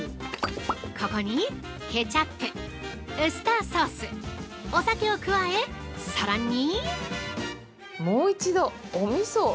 ここに、ケチャップウスターソース、お酒を加えさらに！